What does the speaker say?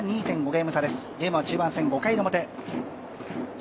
ゲームは中盤戦、５回の表。